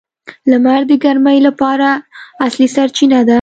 • لمر د ګرمۍ لپاره اصلي سرچینه ده.